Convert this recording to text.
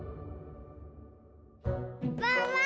ワンワン